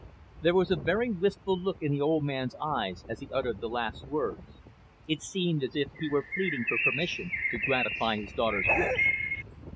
There was a very wistful look in the old man's eyes as he uttered the last words; it seemed as if he were pleading for permission to gratify his daughter's wish.